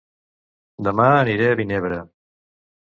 Dema aniré a Vinebre